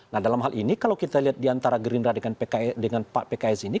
nah dalam hal ini kalau kita lihat diantara gerindra dengan pak pks ini